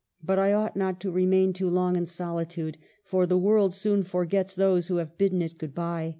But I ought not to remain too long in solitude, for the world soon forgets those who have bidden it 'good by.'